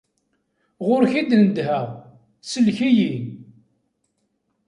Ɣur-k i n-nedheɣ: sellek-iyi.